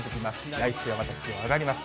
来週はまた気温上がります。